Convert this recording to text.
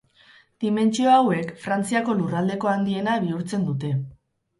Dimentsio hauek Frantziako lurraldeko handiena bihurtzen dute.